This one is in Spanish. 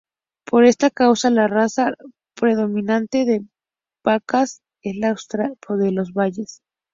Por esta causa, la raza predominante de vacas es la Asturiana de los valles.